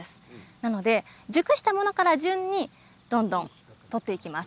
なので熟したものから順にどんどん取っていきます。